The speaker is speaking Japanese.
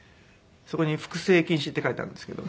そこに複製禁止って書いてあるんですけど。